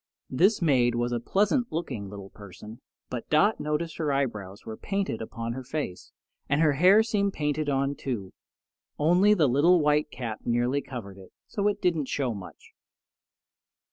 This maid was a pleasant looking little person; but Dot noticed her eyebrows were painted upon her face, and her hair seemed painted on, too, only the little white cap nearly covered it, so it didn't show much.